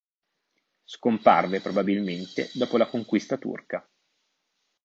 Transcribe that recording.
Scomparve probabilmente dopo la conquista turca.